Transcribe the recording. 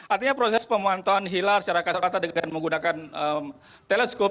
artinya proses pemantauan hilal secara kasat mata dengan menggunakan teleskop